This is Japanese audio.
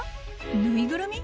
縫いぐるみ？